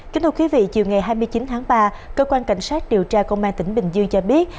kính thưa quý vị chiều ngày hai mươi chín tháng ba cơ quan cảnh sát điều tra công an tỉnh bình dương cho biết